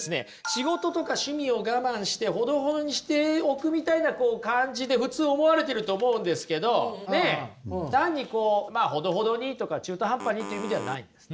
仕事とか趣味を我慢してほどほどにしておくみたいな感じで普通思われてると思うんですけどねっ単にこうほどほどにとか中途半端にっていう意味ではないんです。